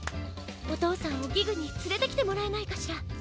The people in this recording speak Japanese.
おとうさんをギグにつれてきてもらえないかしら？